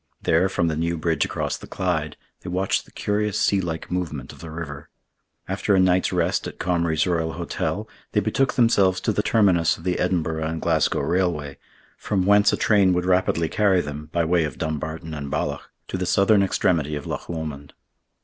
There, from the new bridge across the Clyde, they watched the curious sea like movement of the river. After a night's rest at Comrie's Royal Hotel, they betook themselves to the terminus of the Edinburgh and Glasgow Railway, from whence a train would rapidly carry them, by way of Dumbarton and Balloch, to the southern extremity of Loch Lomond.